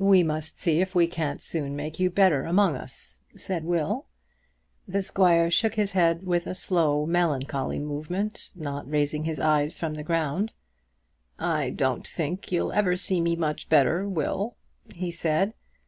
"We must see if we can't soon make you better among us," said Will. The squire shook his head with a slow, melancholy movement, not raising his eyes from the ground. "I don't think you'll ever see me much better, Will," he said.